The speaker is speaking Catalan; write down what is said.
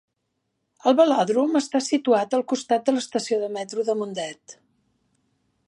El velòdrom està situat al costat de l'estació de metro de Mundet.